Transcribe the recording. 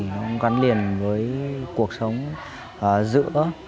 nó gắn liền với cuộc sống giữa